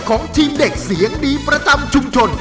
ของทีมเด็กเสียงดีประจำชุมชน